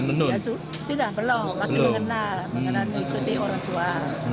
mengenal ikuti orang tua